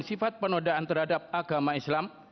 sifat penodaan terhadap agama islam